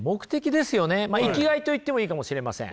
まあ生きがいと言ってもいいかもしれません。